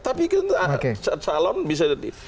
tapi itu kan ada calon bisa jadi